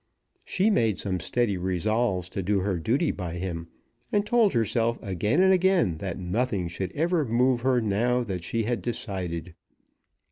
She made some steady resolves to do her duty by him, and told herself again and again that nothing should ever move her now that she had decided.